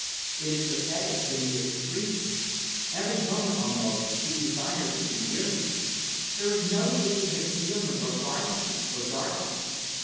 It is pathetic in the extreme. Every moment almost she desires to be near me. There is no seeking concealment, or privacy, or darkness.